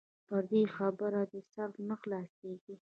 پر دې خبرو دې سر نه خلاصيږي.